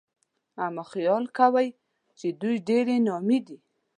اما خيال کوي چې دوی ډېرې نامي دي